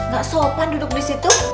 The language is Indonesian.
gak sopan duduk disitu